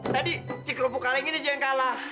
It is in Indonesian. tadi cik lompat godok ini aja yang kalah